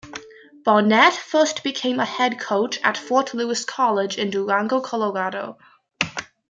Barnett first became a head coach at Fort Lewis College in Durango, Colorado.